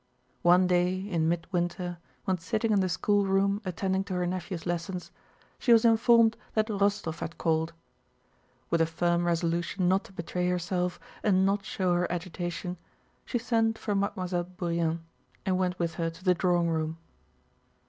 One day in midwinter when sitting in the schoolroom attending to her nephew's lessons, she was informed that Rostóv had called. With a firm resolution not to betray herself and not show her agitation, she sent for Mademoiselle Bourienne and went with her to the drawing room.